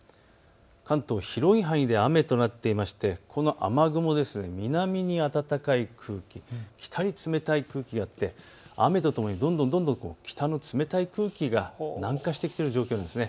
関東、広い範囲で雨となっていましてこの雨雲、南に暖かい空気、北に冷たい空気があって、雨とともにどんどん北の冷たい空気が南下してきている状況なんです。